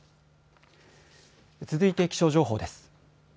続いて気象情報です。